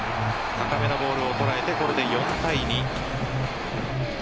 高めのボールを捉えてこれで４対２。